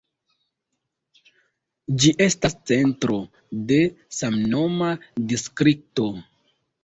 Ĝi estas centro de samnoma distrikto.